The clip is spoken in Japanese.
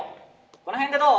この辺でどう？